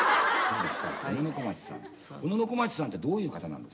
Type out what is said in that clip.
小野小町さん小野小町さんってどういう方なんですか？